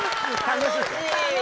楽しい。